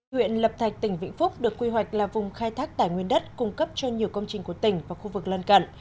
huyện lập thạch tỉnh vĩnh phúc được quy hoạch là vùng khai thác tài nguyên đất cung cấp cho nhiều công trình của tỉnh và khu vực lân cận